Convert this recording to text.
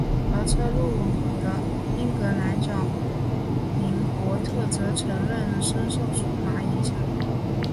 而车路士的英格兰国脚林柏特则承认深受苏拿影响。